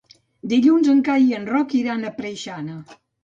Dilluns en Cai i en Roc iran a Preixana.